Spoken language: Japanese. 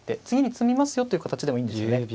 次に詰みますよという形でもいいんですよね。